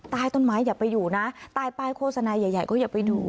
ใต้ต้นไม้อย่าไปอยู่นะใต้ป้ายโฆษณาใหญ่ก็อย่าไปดู